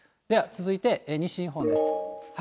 では続いて、西日本です。